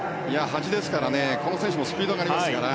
端ですから、この選手もスピードがありますから。